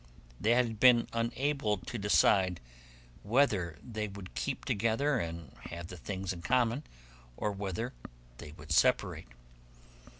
They had been unable to decide whether they would keep together and have the things in common, or whether they would separate.